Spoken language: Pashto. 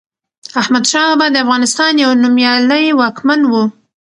احمد شاه بابا دافغانستان يو نوميالي واکمن وه